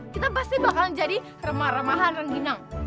kita pasti bakal jadi remah remahan dan ginang